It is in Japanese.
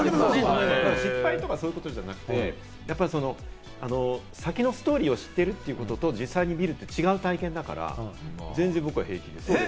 失敗とかそういうことじゃなくて、先のストーリーを知ってるってことと、実際見るって違う体験だから全然、僕は平気。